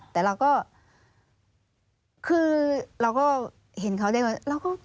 แต่เราก็คือเราก็เห็นเขาได้ว่า